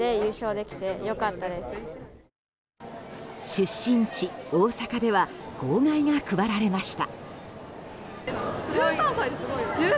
出身地・大阪では号外が配られました。